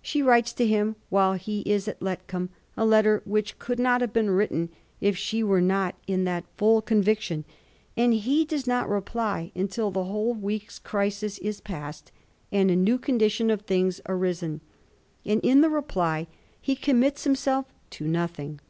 She writes to him while he is at Letcomb a letter which could not have been written if she were not in that ftill conviction ; and he does not reply imtil the whole week's crisis is past and a new condition of things arisen ; and in the reply he commits himself to nothing.